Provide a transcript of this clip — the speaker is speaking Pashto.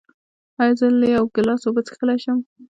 ایا زه له یو ګیلاس اوبه څښلی شم؟